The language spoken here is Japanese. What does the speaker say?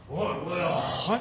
はい？